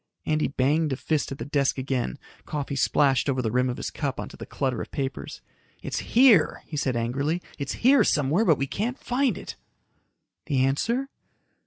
Andy banged a fist at his desk again. Coffee splashed over the rim of his cup onto the clutter of papers. "It's here," he said angrily. "It's here somewhere, but we can't find it." "The answer?"